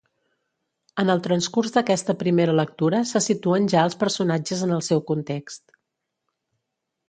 En el transcurs d'aquesta primera lectura se situen ja els personatges en el seu context.